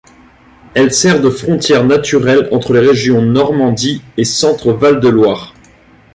Elle sert de frontière naturelle entre les régions Normandie et Centre-Val de Loire.